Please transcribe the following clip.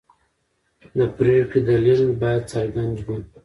د پرېکړې دلیل باید څرګند وي.